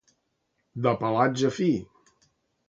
De pelatge fi.